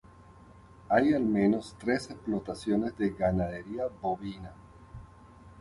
Hay al menos tres explotaciones de ganadería bovina.